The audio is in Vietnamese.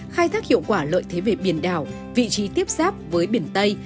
khai thác hiệu quả lợi thế về biển đảo vị trí tiếp giáp với biển tây